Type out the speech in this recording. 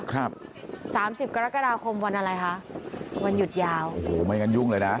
ครับสามสิบกรกฎาคมวันอะไรคะวันหยุดยาวโอ้โหไม่งั้นยุ่งเลยนะ